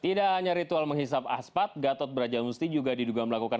tidak hanya ritual menghisap aspat gatot brajamusti juga diduga melakukan